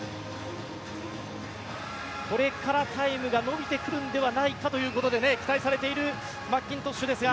これからタイムが伸びてくるのではないかということで期待されているマッキントッシュですが。